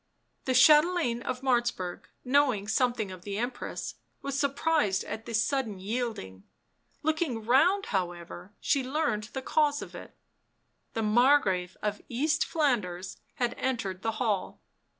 The chatelaine of Martzburg, knowing something of the Empress, was surprised at this sudden yielding; looking round, however, she learnt the cause of it. The Margrave of East Flanders had entered the hall.